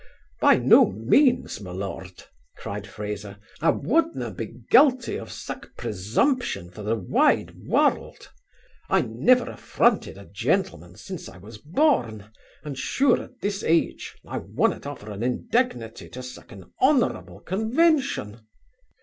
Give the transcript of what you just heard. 'By no means, my lord (cried Fraser), I wad na he guilty of sic presumption for the wide warld I never affronted a gentleman since I was born; and sure at this age I wonnot offer an indignity to sic an honourable convention.